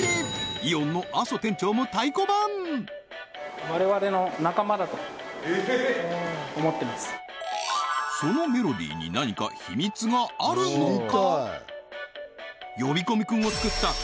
イオンの阿曽店長も太鼓判そのメロディーに何かヒミツがあるのか？